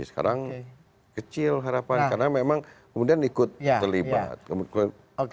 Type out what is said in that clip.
sekarang kecil harapan karena memang kemudian ikut terlibat